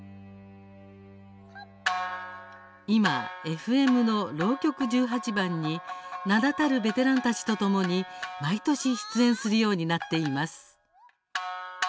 今、ＦＭの「浪曲十八番」に名だたるベテランたちとともに毎年出演するようになっています。